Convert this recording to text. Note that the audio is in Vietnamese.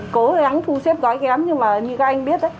cố gắng thu xếp gói kém nhưng mà như các anh biết đấy